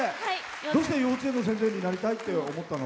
どうして幼稚園の先生になりたいって思ったの？